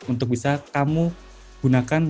untuk bisa kamu gunakan